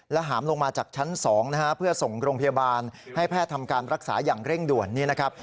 หามลงมาจากชั้น๒นะฮะเพื่อส่งโรงพยาบาลให้แพทย์ทำการรักษาอย่างเร่งด่วนนี่นะครับ